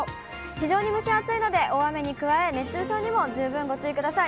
非常に蒸し暑いので、大雨に加え、熱中症にも十分ご注意ください。